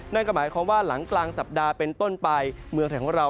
นั่นก็หมายความว่าหลังกลางสัปดาห์เป็นต้นไปเมืองไทยของเรา